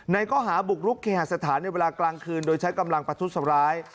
ข้อหาบุกรุกเคหาสถานในเวลากลางคืนโดยใช้กำลังประทุษร้าย